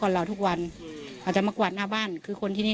เราคิดว่าเขาทำความสะอาดบ้านปกติ